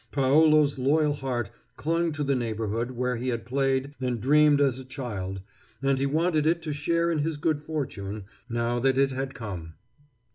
Paolo's loyal heart clung to the neighborhood where he had played and dreamed as a child, and he wanted it to share in his good fortune, now that it had come.